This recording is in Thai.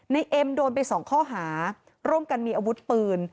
เอ็มโดนไปสองข้อหาร่วมกันมีอาวุธปืน